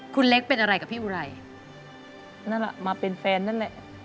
คุณเล็กเป็นอะไรกับพี่อุไรนั่นแหละมาเป็นแฟนนั่นแหละ